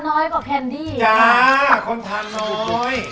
อ๋อแล้วพริกพอแล้วเหรอ